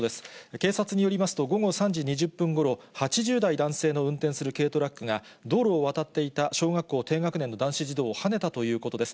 警察によりますと、午後３時２０分ごろ、８０代男性の運転する軽トラックが道路を渡っていた小学校低学年の男子児童をはねたということです。